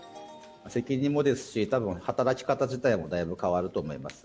責任もですし、たぶん働き方自体もだいぶ変わると思います。